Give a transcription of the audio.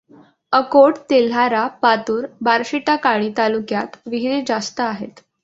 अकोट, तेल्हारा, पातूर, बार्शीटाकळी तालुक्यांत विहिरी जास्त आहेत.